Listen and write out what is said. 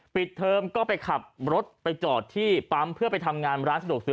เทอมก็ไปขับรถไปจอดที่ปั๊มเพื่อไปทำงานร้านสะดวกซื้อ